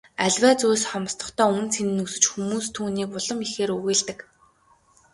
Аливаа зүйл хомсдохдоо үнэ цэн нь өсөж хүмүүс түүнийг улам ихээр үгүйлдэг.